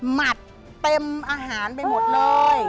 หมัดเต็มอาหารไปหมดเลย